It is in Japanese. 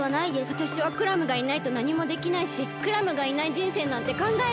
わたしはクラムがいないとなにもできないしクラムがいないじんせいなんてかんがえられない。